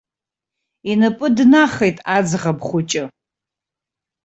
Инапы днахеит аӡӷаб хәыҷы.